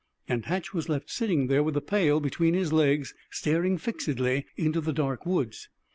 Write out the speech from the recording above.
And Hatch was left sitting there with the pail between his legs, staring fixedly into the dark woods.